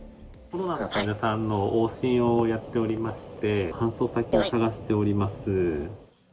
コロナの患者さんの往診をやっておりまして、搬送先を探しております。